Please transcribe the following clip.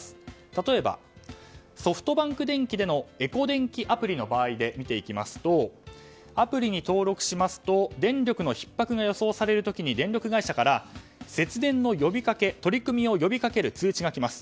例えば、ソフトバンクでんきでのエコ電気アプリの場合で見ていきますとアプリに登録しますと電力のひっ迫が予想される時に電力会社から節電の呼び掛け、取り組みを呼びかける通知が来ます。